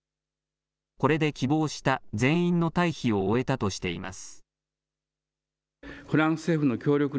これで希望した全員の退避を終えたとしています。